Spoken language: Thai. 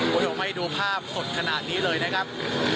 ผมจะไม่ดูภาพสดขนาดนี้เลยนะครับ